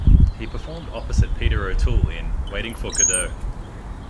He performed opposite Peter O'Toole in "Waiting for Godot".